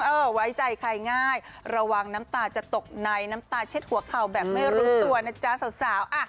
ไว้ใจใครง่ายระวังน้ำตาจะตกในน้ำตาเช็ดหัวเข่าแบบไม่รู้ตัวนะจ๊ะสาว